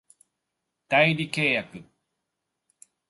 代理契約